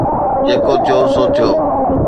جيڪو ٿيو سو ٿيو.